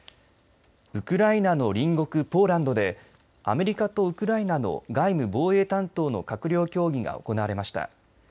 ウクライナの隣国ポーランドでアメリカとウクライナの外務・防衛担当の閣僚協議が行われました。